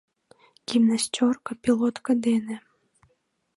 Гимнастёрко, пилотко дене.